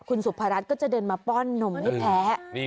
คุณสุภารัฐก็จะเดินมาป้อนนมให้แพ้